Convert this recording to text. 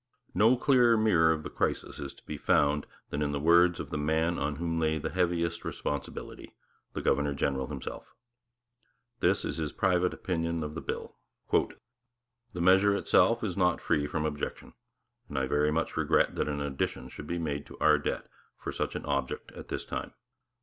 No clearer mirror of the crisis is to be found than in the words of the man on whom lay the heaviest responsibility, the governor general himself. This is his private opinion of the bill: 'The measure itself is not free from objection, and I very much regret that an addition should be made to our debt for such an object at this time.